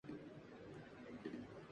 حقیقت کا سامنا کرنا اب آسان نہیں